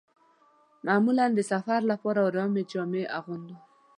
معمولاً د سفر لپاره ارامې جامې اغوندم.